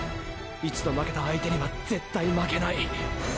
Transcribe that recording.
一度負けた相手には絶対負けない。